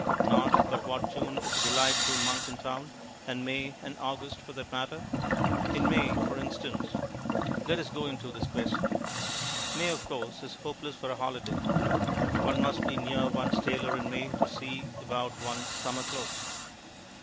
Not but what June is a delightful month in town, and May and August for that matter. In May, for instance Let us go into this question. May, of course, is hopeless for a holiday. One must be near one's tailor in May to see about one's summer clothes.